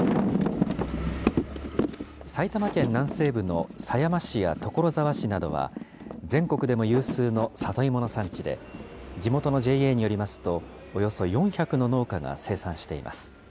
埼玉県南西部の狭山市や所沢市などは、全国でも有数の里芋の産地で、地元のＪＡによりますと、およそ４００の農家が生産しています。